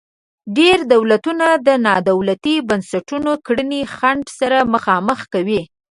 ډیری دولتونه د نا دولتي بنسټونو کړنې خنډ سره مخامخ کوي.